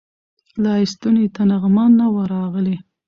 لا یې ستوني ته نغمه نه وه راغلې